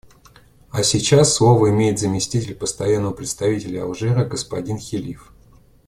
А сейчас слово имеет заместитель Постоянного представителя Алжира господин Хелиф.